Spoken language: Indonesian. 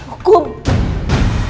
hukum saya pak sekarang pak